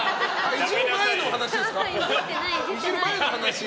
いじる前の話ですか？